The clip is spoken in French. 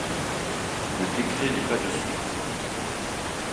Le décret n'eut pas de suite.